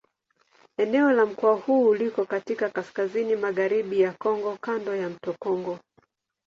Eneo la mkoa huu liko katika kaskazini-magharibi ya Kongo kando ya mto Kongo.